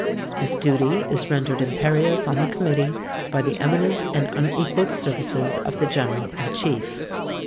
"This duty is rendered imperious on the Committee by the eminent and unequalled services of the General in Chief.